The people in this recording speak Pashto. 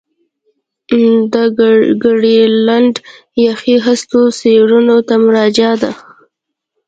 د ګرینلنډ یخي هستو څېړنو ته مراجعه ده